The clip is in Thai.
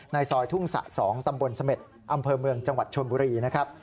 ซอยทุ่งสะ๒ตำบลเสม็ดอำเภอเมืองจังหวัดชนบุรีนะครับ